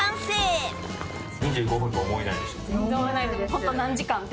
ホント何時間って。